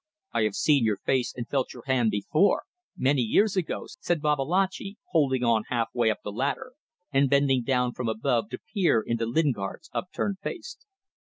I have seen your face and felt your hand before many years ago," said Babalatchi, holding on halfway up the ladder, and bending down from above to peer into Lingard's upturned face.